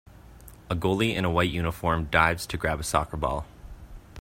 A goalie in a white uniform dives to grab a soccer ball.